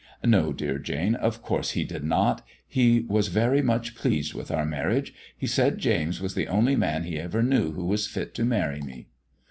"No, dear Jane; of course he did not. He was very much pleased with our marriage. He said James was the only man he ever knew who was fit to marry me."